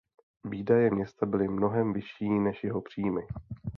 Výdaje města byly mnohem vyšší než jeho příjmy.